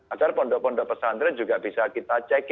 agar pondok pondok pesantren juga bisa kita cek